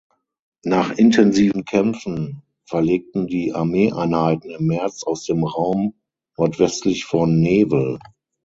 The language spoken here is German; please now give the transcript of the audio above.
Nach intensiven Kämpfen verlegten die Armeeeinheiten im März aus dem Raum nordwestlich von Newel.